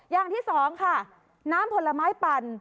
อย่างที่สองค่ะน้ำผลไม้ปั่น